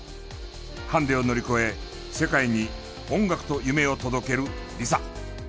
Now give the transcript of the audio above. ハンデを乗り越え世界に音楽と夢を届けるＬｉｓａ。